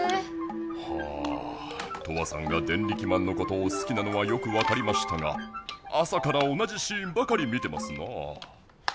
はあトアさんがデンリキマンのことをすきなのはよく分かりましたが朝から同じシーンばかり見てますなあ。